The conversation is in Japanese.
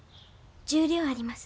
１０両あります。